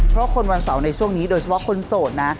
เพราะคนวันเสาร์ในช่วงนี้โดยเฉพาะคนโสดนะ